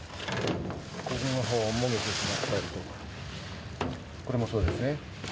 首のほうがもげてしまったりとか、これもそうですね。